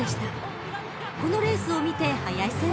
［このレースを見て林先生は］